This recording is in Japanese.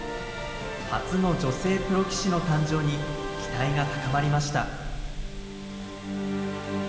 初の女性プロ棋士の誕生に期待が高まりました。